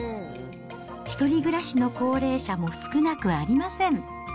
１人暮らしの高齢者も少なくありません。